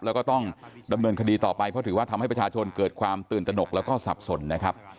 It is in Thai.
แล้วก็ต้องดำเนินคดีต่อไปเพราะถือว่าทำให้ประชาชนเกิดความตื่นตนกแล้วก็สับสนนะครับ